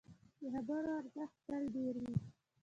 د خبرو ارزښت تل ډېر وي